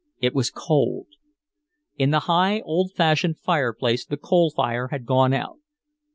It was cold. In the high old fashioned fireplace the coal fire had gone out.